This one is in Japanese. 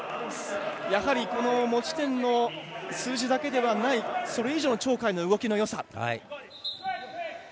やはり持ち点の数字だけではないそれ以上の鳥海の動きのよさ。